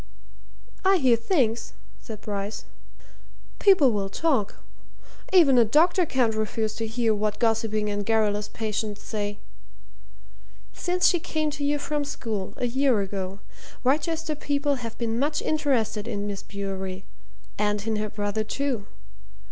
"I hear things," said Bryce. "People will talk even a doctor can't refuse to hear what gossiping and garrulous patients say. Since she came to you from school, a year ago, Wrychester people have been much interested in Miss Bewery, and in her brother, too.